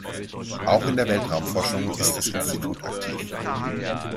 Auch in der Weltraumforschung ist das Institut aktiv.